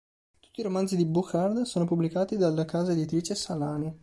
Tutti i romanzi di Bouchard sono pubblicati dalla casa editrice Salani.